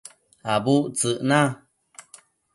Abudtsëc na